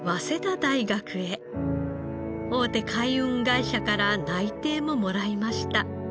大手海運会社から内定ももらいました。